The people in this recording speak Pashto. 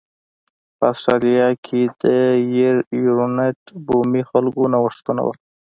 په اسټرالیا کې د یر یورونټ بومي خلکو نوښتونه و